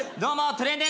トレンディ